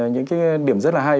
những điểm rất là hay